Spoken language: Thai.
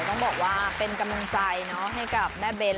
ต้องบอกว่าเป็นกำลังใจให้กับแม่เบ้น